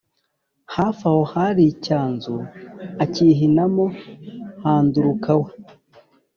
hafi aho hari icyanzu, akihinamo, handuruka we!